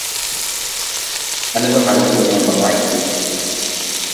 Thayer constructed an enormous Gothic-style castle for his new college, complete with turrets.